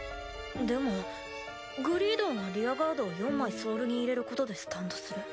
でもグリードンはリアガードを４枚ソウルに入れることでスタンドする。